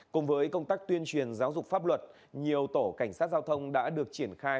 cùng với công tác tuyên truyền giáo dục pháp luật nhiều tổ cảnh sát giao thông đã được triển khai